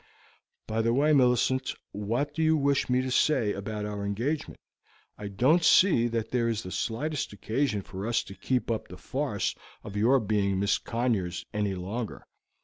"By the way, Millicent, what do you wish me to say about our engagement? I don't see that there is the slightest occasion for us to keep up the farce of your being Miss Conyers any longer.